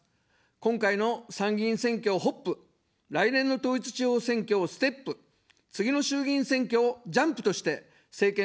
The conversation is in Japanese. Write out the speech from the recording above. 今回の参議院選挙をホップ、来年の統一地方選挙をステップ、次の衆議院選挙をジャンプとして、政権交代を実現します。